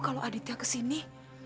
kalau aditya kesini